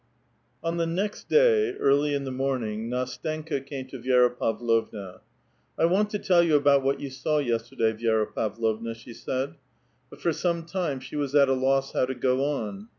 On the next day, early in the morning, Ndstenka came to Vi^Ta Pavlovua. *' I want to tell you about what you saw yesterda}', Vi^ra Pavlovna,'' she said ; but for some time she was at a loss how to go on.